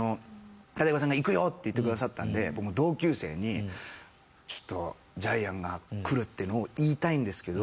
たてかべさんが行くよって言ってくださったんで僕も同級生にちょっとジャイアンが来るっていうのを言いたいんですけど。